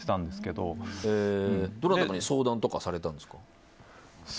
どなたかに相談とかされたんですか。